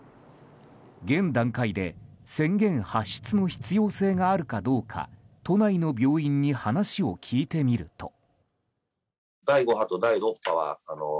現段階で宣言発出の必要性があるかどうか都内の病院に話を聞いてみると。